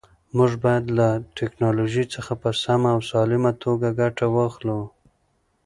موږ باید له ټیکنالوژۍ څخه په سمه او سالمه توګه ګټه واخلو.